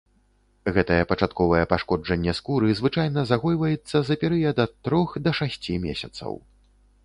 Гэтае пачатковае пашкоджанне скуры звычайна загойваецца за перыяд ад трох да шасці месяцаў.